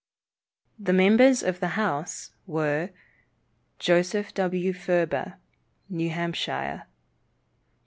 The members of the House were: Joseph W. Furber, New Hampshire.